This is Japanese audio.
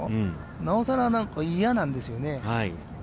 なおさら嫌なんですよね。